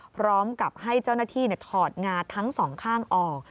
พร้อมกับให้เจ้าหน้าที่ถอดงาทั้งสองข้างออก